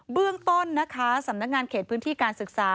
เบื้องต้นนะคะสำนักงานเขตพื้นที่การศึกษา